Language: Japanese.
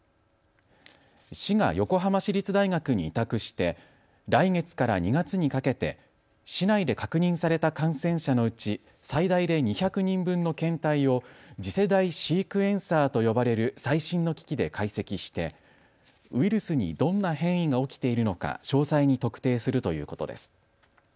市が横浜市立大学に委託して来月から２月にかけて市内で確認された感染者のうち最大で２００人分の検体を次世代シークエンサーと呼ばれる最新の機器で解析してウイルスにどんな変異が起きているのか詳細に特定するということです。